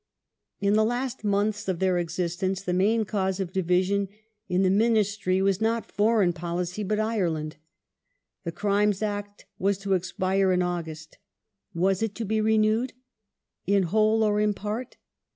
^ In the last months of their existence the main cause of division in the Ministry was not foreign policy but Ireland. The Crimes Act was to expire in August. Was it to be renewed ? In whole or in part